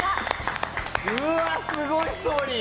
うわっすごいストーリー！